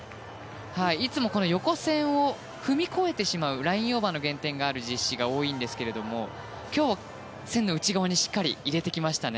いつも横線を踏み越えてしまうラインオーバーの実施が多いんですけれども今日は線の内側にしっかり入れてきましたね。